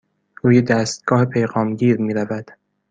روی دستگاه پیغام گیر می رود.